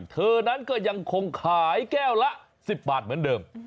เธอนั้นก็ยังคงขายแก้วละ๑๐บาทเหมือนเดิม